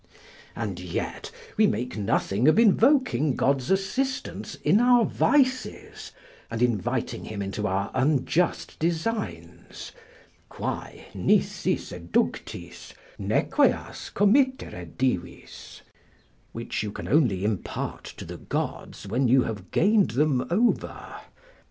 And yet we make nothing of invoking God's assistance in our vices, and inviting Him into our unjust designs: "Quae, nisi seductis, nequeas committere divis" ["Which you can only impart to the gods, when you have gained them over."